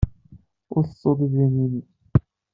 Ur tettuḍ idrimen-nnem.